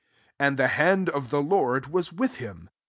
And the hand of the Lord fas vdeh htm.